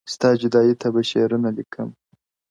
ستا جدايۍ ته به شعرونه ليکم!!